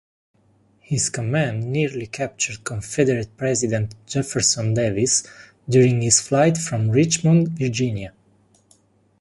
His command nearly captured Confederate president Jefferson Davis during his flight from Richmond, Virginia.